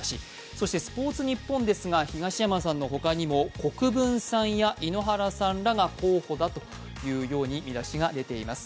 そして「スポーツニッポン」ですが東山さんのほかにも国分さんや井ノ原さんが候補だというように見出しが出ています。